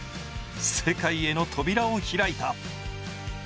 世界への扉を開いた。